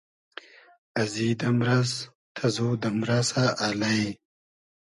ازی دئمرئس تئزو دئمرئسۂ الݷ